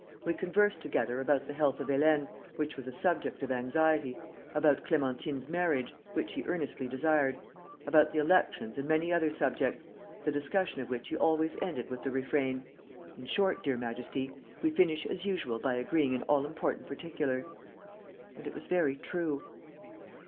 We conversed together about the health of Hélène, which was a subject of anxiety, about Clémentine's marriage, which he earnestly desired; about the elections and many other subjects, the discussion of which he always ended with the refrain: 'In short, dear Majesty, we finish as usual by agreeing in all important particulars.' And it was very true.